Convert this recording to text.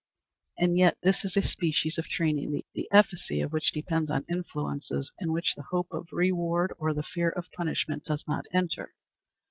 And yet this is a species of training the efficacy of which depends on influences in which the hope of reward or the fear of punishment does not enter.